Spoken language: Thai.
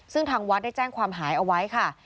ซึ่งทางวัดได้แจ้งความหายเอาไว้ค่ะ